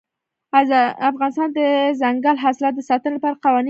افغانستان د دځنګل حاصلات د ساتنې لپاره قوانین لري.